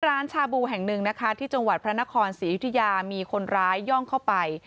ชาบูแห่งหนึ่งนะคะที่จังหวัดพระนครศรียุธยามีคนร้ายย่องเข้าไป